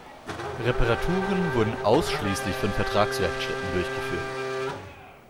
Reparaturen wurden ausschließlich von Vertragswerkstätten durchgeführt.